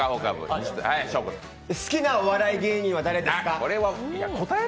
好きなお笑い芸人は誰ですか？